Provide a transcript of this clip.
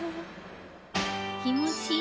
気持ちいい。